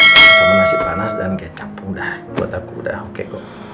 pertama nasi panas dan kecap pun udah buat aku udah oke kok